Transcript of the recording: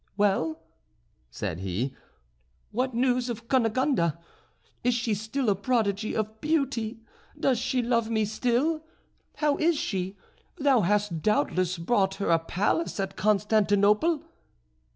"Well," said he, "what news of Cunegonde? Is she still a prodigy of beauty? Does she love me still? How is she? Thou hast doubtless bought her a palace at Constantinople?"